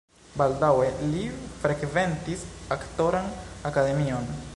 Baldaŭe li frekventis aktoran akademion.